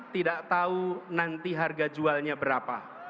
tidak tahu nanti harga jualnya berapa